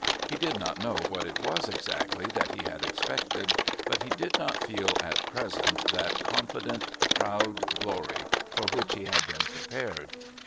He did not know what it was exactly that he had expected, but he did not feel at present that confident proud glory for which he had been prepared.